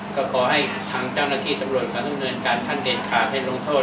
ก็ขอให้ทางเจ้าหน้าที่สำรวจความดำเนินการขั้นเด็ดขาดให้ลงโทษ